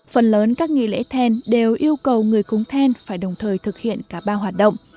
phần lớn các nghi lễ then đều yêu cầu người cúng then phải đồng thời thực hiện cả ba hoạt động